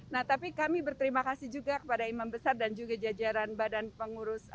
nah tapi kami berterima kasih juga kepada imam besar dan juga jajaran badan pengurus